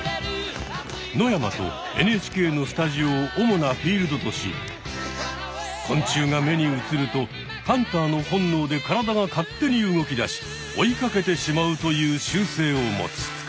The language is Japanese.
野山とＮＨＫのスタジオを主なフィールドとし昆虫が目に映るとハンターの本能で体が勝手に動きだし追いかけてしまうという習性を持つ。